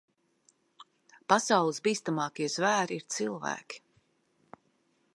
Pasaules bīstamākie zvēri ir cilvēki.